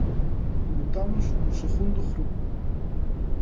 Votamos o segundo grupo.